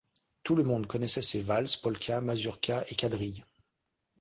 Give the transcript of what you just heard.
Tout le monde connaissait ses valses, polkas, mazurkas et quadrilles.